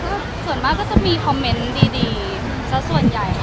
ก็ส่วนมากก็จะมีคอมเมนต์ดีสักส่วนใหญ่ค่ะ